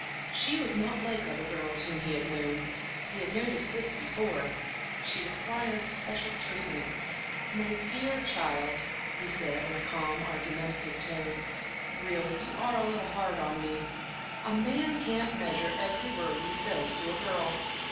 She was not like other girls whom he had known he had noticed this before; she required special treatment. "My dear child," he said, in a calm, argumentative tone "really you are a little hard on me. A man can't measure every word he says to a girl.